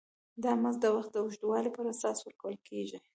دا مزد د وخت د اوږدوالي پر اساس ورکول کېږي